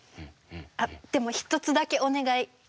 あっでも一つだけお願い！